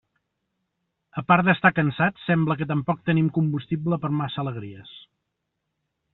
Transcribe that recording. A part d'estar cansats, sembla que tampoc tenim combustible per a massa alegries.